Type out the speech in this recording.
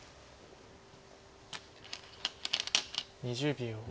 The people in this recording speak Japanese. ２０秒。